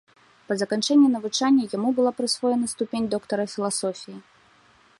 Па заканчэнні навучання яму была прысвоена ступень доктара філасофіі.